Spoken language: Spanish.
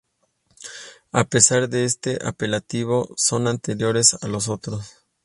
A pesar de este apelativo, son anteriores a los otros.